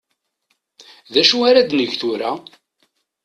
D acu ar ad neg tura?